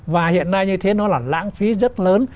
và hiện nay như thế nó là lãng phí rất lớn